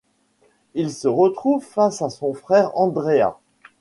Il se retrouve face à son frère Andrea...